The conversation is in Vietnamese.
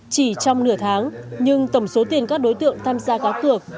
chỉ trong nửa tháng nhưng tổng số tiền các đối tượng tham gia cá cược